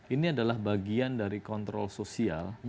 ini adalah bagian dari kontrol sosial